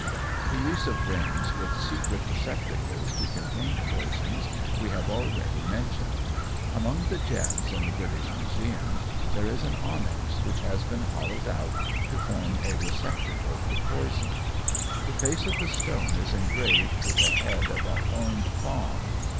The use of rings with secret receptacles to contain poisons we have already mentioned. Among the gems in the British Museum there is an onyx which has been hollowed out to form a receptacle for poison. The face of the stone is engraved with the head of a horned faun.